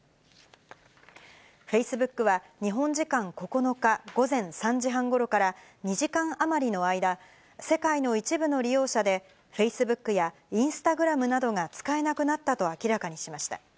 フェイスブックは日本時間９日午前３時半ごろから、２時間余りの間、世界の一部の利用者でフェイスブックやインスタグラムなどが使えなくなったと明らかにしました。